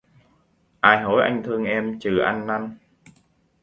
Ai hối anh thương em chừ ăn năn